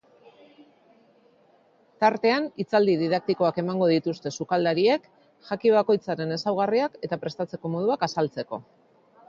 Tartean hitzaldi didaktikoak emango dituzte sukaldariek jaki bakoitzaren ezaugarriak eta prestatzeko moduak azaltzeko.